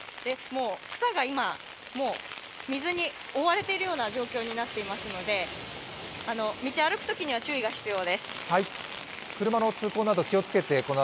草が今もう水に覆われているような状況になっていますので、道を歩くときには注意が必要です。